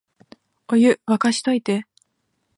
お湯、沸かしといて